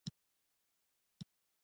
د سړي تندی تريو شو: